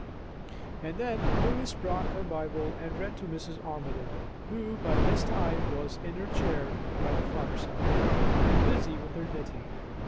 And then Lois brought her Bible and read to Mrs. Armadale, who by this time was in her chair by the fireside, and busy with her knitting.